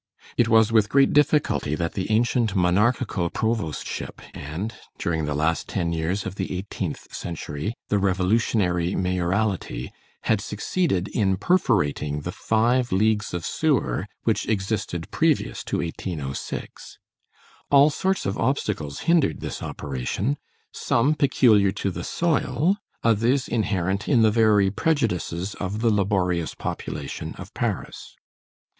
It was with great difficulty that the ancient monarchical provostship and, during the last ten years of the eighteenth century, the revolutionary mayoralty, had succeeded in perforating the five leagues of sewer which existed previous to 1806. All sorts of obstacles hindered this operation, some peculiar to the soil, others inherent in the very prejudices of the laborious population of Paris.